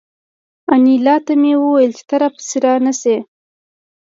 انیلا ته مې وویل چې ته را پسې را نشې